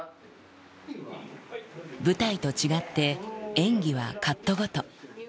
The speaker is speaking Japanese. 舞台と違って、演技はカットごと。